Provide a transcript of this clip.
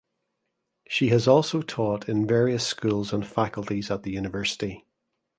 She has also taught in various schools and faculties at the university.